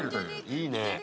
いいね。